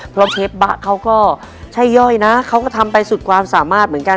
เพราะเชฟบะเขาก็ใช่ย่อยนะเขาก็ทำไปสุดความสามารถเหมือนกัน